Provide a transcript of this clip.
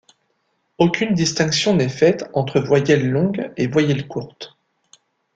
Aucune distinction n'est faite entre voyelles longues et voyelles courtes.